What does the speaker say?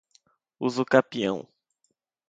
usucapião